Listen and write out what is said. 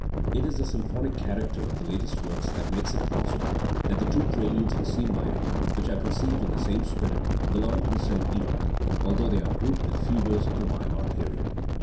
It is the symphonic character of the latest works that makes it probable that the two preludes in C minor, which The Leipzig Preludes and Fugues, 377 are conceived in the same spirit, belong to the same epoch, although they are grouped with fugues of the Weimar period.